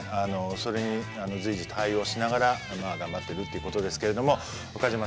それに随時対応しながら頑張ってるってことですけれども岡島さん